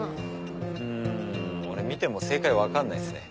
うん俺見ても正解分かんないっすね。